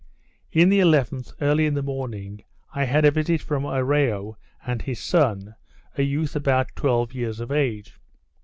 On the 11th, early in the morning, I had a visit from Oreo and his son, a youth about twelve years of age.